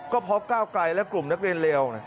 ก็เพราะก้าวไกลและกลุ่มนักเรียนเลว